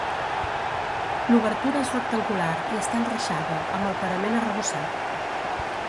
L'obertura és rectangular i està enreixada, amb el parament arrebossat.